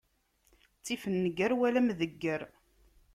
Ttif nnger wala amdegger.